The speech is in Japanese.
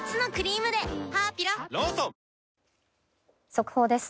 速報です。